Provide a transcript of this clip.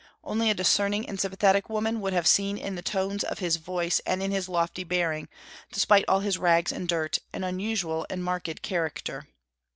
Only a discerning and sympathetic woman would have seen in the tones of his voice, and in his lofty bearing, despite all his rags and dirt, an unusual and marked character.